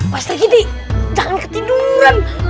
mas trigidi jangan ketiduran